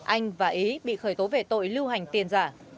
anh và ý bị khởi tố về tội lưu hành tiền giả